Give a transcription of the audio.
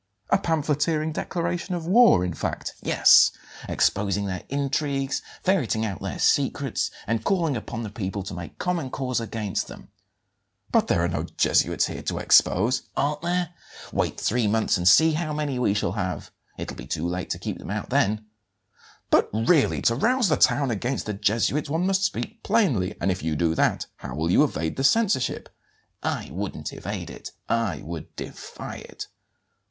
"A pamphleteering declaration of war, in fact?" "Yes; exposing their intrigues, ferreting out their secrets, and calling upon the people to make common cause against them." "But there are no Jesuits here to expose." "Aren't there? Wait three months and see how many we shall have. It'll be too late to keep them out then." "But really to rouse the town against the Jesuits one must speak plainly; and if you do that how will you evade the censorship?" "I wouldn't evade it; I would defy it."